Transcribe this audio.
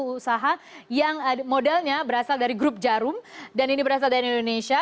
ini adalah salah satu usaha yang modelnya berasal dari grup jarum dan ini berasal dari indonesia